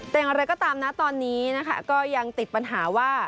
แต่อย่างไรก็ตามนะตอนนี้นะคะก็ยังติดปัญหาว่า